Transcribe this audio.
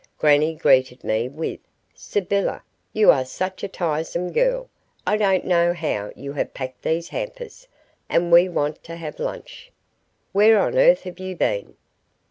Grannie greeted me with, "Sybylla, you are such a tiresome girl. I don't know how you have packed these hampers, and we want to have lunch. Where on earth have you been?"